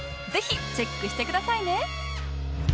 ぜひチェックしてくださいね